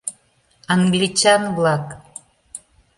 Англичан-влак.